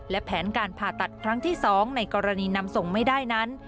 และแผนการผ่าตัดครั้งที่๒ในกรณีนำส่งไม่ได้นั้น